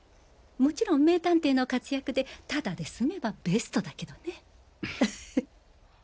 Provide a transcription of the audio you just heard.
もちろん名探偵の活躍でタダですめばベストだけどね。